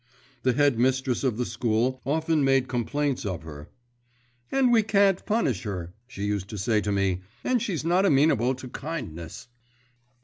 The headmistress of the school often made complaints of her, "And we can't punish her," she used to say to me, "and she's not amenable to kindness."